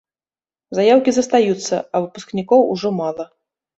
Заяўкі застаюцца, а выпускнікоў ужо мала.